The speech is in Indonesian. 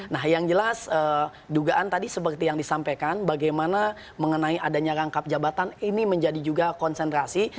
nah yang jelas dugaan tadi seperti yang disampaikan bagaimana mengenai adanya rangkap jabatan ini menjadi juga konsentrasi